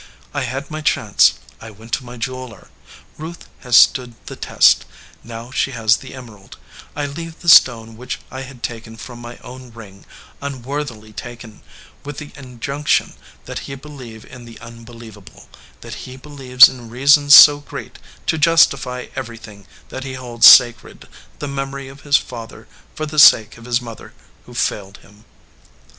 I had my chance. I went to my jeweler. Ruth has stood the test. Now she has the emerald, I leave the stone which I had taken from my own ring, unworthily taken, with the injunction that he believe in the unbelievable, that he be lieves in reasons so great to justify everything that he holds sacred the memory of his father for the sake of his mother who failed him.